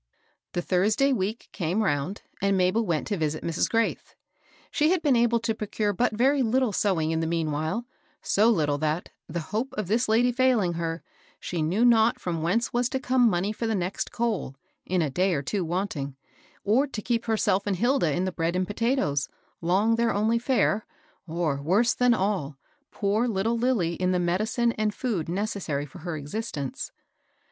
The Thursday week came round, and Mabel went to visit Mrs. Graith. She had been able to procure but very little sewing in the meanwhile, — so little that, the hope of this lady £uling her, she knew not from whence was to come money for the next coal, — in a day or two wanting, — or to ke^ herself and EUlda in the bread and potatoes, long their only fere, or, worse than all, poor little Lilly in the me^cine and food necessary for her exist ^ice.